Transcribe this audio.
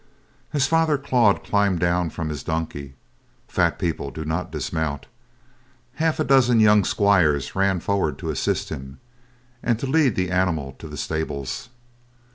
As Father Claude climbed down from his donkey—fat people do not "dismount"—a half dozen young squires ran forward to assist him, and to lead the animal to the stables.